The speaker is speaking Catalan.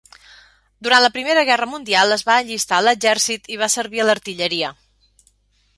Durant la Primera Guerra Mundial es va allistar a l'exèrcit i va servir a l'artilleria.